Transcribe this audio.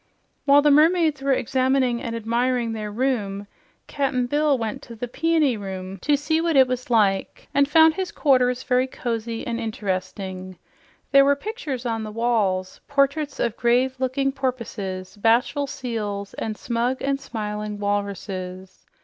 While the mermaids were examining and admiring their room, Cap'n Bill went to the Peony Room to see what it was like and found his quarters were very cozy and interesting. There were pictures on the wall, portraits of grave looking porpoises, bashful seals, and smug and smiling walruses.